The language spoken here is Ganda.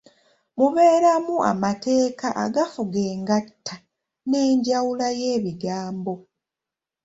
Mubeeramu amateeka agafuga engatta n’enjawula y’ebigambo.